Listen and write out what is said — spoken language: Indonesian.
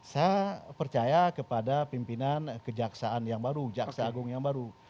saya percaya kepada pimpinan kejaksaan yang baru jaksa agung yang baru